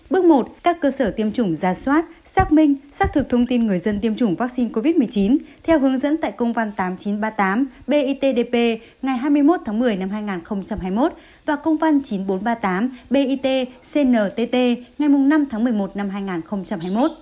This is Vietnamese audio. bước một các cơ sở tiêm chủng giả soát xác minh xác thực thông tin người dân tiêm chủng vaccine covid một mươi chín theo hướng dẫn tại công văn tám nghìn chín trăm ba mươi tám bitdp ngày hai mươi một tháng một mươi năm hai nghìn hai mươi một và công văn chín nghìn bốn trăm ba mươi tám bit cntt ngày năm tháng một mươi một năm hai nghìn hai mươi một